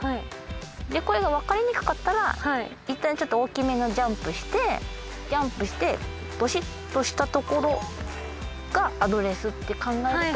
これがわかりにくかったらいったんちょっと大きめのジャンプしてジャンプしてどしっとしたところがアドレスって考えると。